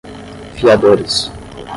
fiadores